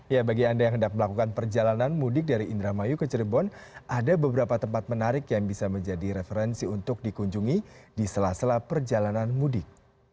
ya bagi anda yang hendak melakukan perjalanan mudik dari indramayu ke cirebon ada beberapa tempat menarik yang bisa menjadi referensi untuk dikunjungi di sela sela perjalanan mudik